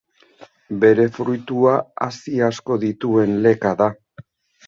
Bere fruitua hazi asko dituen leka da.